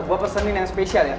gue pesenin yang spesial ya